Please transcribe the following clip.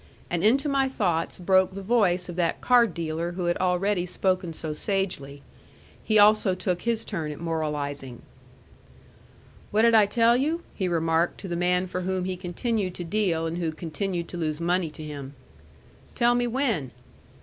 And into my thoughts broke the voice of that card dealer who had already spoken so sagely. He also took his turn at moralizing. "What did I tell you?" he remarked to the man for whom he continued to deal, and who continued to lose money to him. "Tell me when?"